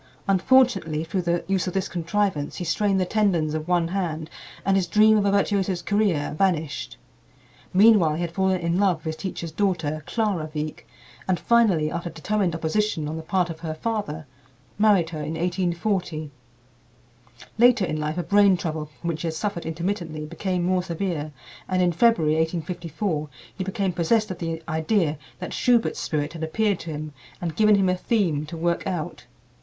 Unfortunately, through the use of this contrivance he strained the tendons of one hand and his dream of a virtuoso's career vanished. Meanwhile he had fallen in love with his teacher's daughter, Clara Wieck, and finally, after determined opposition on the part of her father, married her in 1840. Later in life a brain trouble from which he had suffered intermittently became more severe, and in February, 1854, he became possessed of the idea that Schubert's spirit had appeared to him and given him a theme to work out.